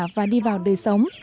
và đi vào đời sống